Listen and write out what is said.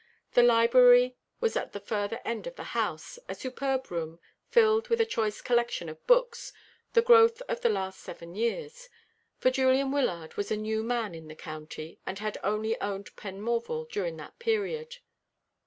The library was at the further end of the house, a superb room, filled with a choice collection of books, the growth of the last seven years; for Julian Wyllard was a new man in the county, and had only owned Penmorval during that period.